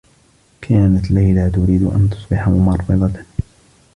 كانت ليلى تريد أن تصبح ممرّضة.